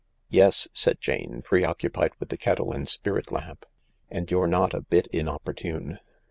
" Yes," said Jane, preoccupied with the kettle and spirit lamp. "And you're not a bit inopportune.